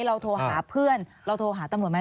เราโทรหาเพื่อนเราโทรหาตำรวจไหม